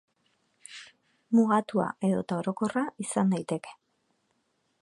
Mugatua edota orokorra izan daiteke.